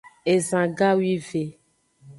Ezan gawive.